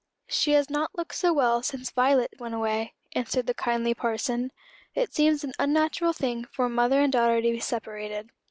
"She has not looked so well since Violet went away," answered the kindly parson. "It seems an unnatural thing for mother and daughter to be separated."